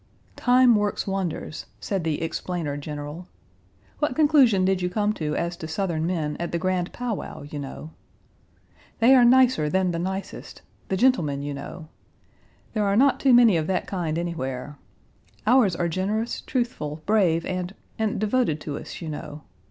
"Time works wonders," said the explainer general. "What conclusion did you come to as to Southern men at the grand pow wow, you know?" "They are nicer than the nicest the gentlemen, you know. There are not too many of that kind anywhere. Ours are generous, truthful, brave, and and devoted to us, you know.